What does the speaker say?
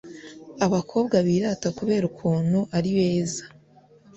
abakobwa birata kubera ukuntu ari beza